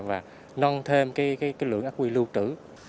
và nâng thêm cái lượng ác quy lưu trữ